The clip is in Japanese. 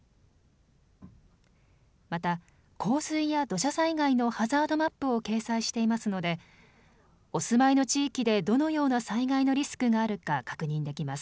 また、洪水や土砂災害のハザードマップを掲載していますのでお住まいの地域で、どのような災害のリスクがあるか確認できます。